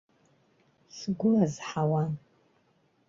Сгәы азҳауан.